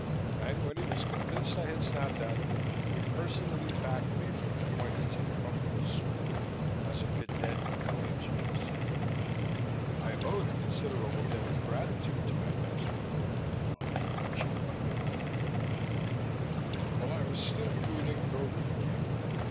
And when he was convinced I had snapped out of it, he personally backed me for an appointment to the Company's school as a cadet Claims Adjuster. I owed a considerable debt of gratitude to my ex remote in law, Chief Underwriter Defoe. While I still was brooding, Gogarty came back.